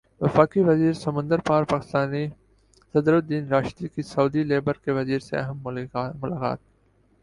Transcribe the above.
وفاقی وزیر سمندر پار پاکستانی صدر الدین راشدی کی سعودی لیبر کے وزیر سے اہم ملاقات